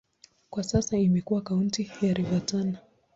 Kwa sasa imekuwa kaunti ya Tana River.